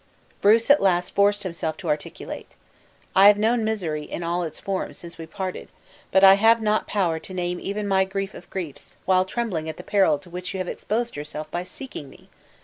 Bruce at last forced himself to articulate: "I have known misery, in all its forms, since we parted; but I have not power to name even my grief of griefs, while trembling at the peril to which you have exposed yourself by seeking me!